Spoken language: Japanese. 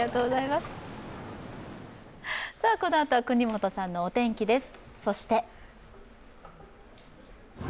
このあとは國本さんのお天気です。